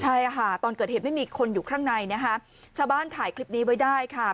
ใช่ค่ะตอนเกิดเหตุไม่มีคนอยู่ข้างในนะคะชาวบ้านถ่ายคลิปนี้ไว้ได้ค่ะ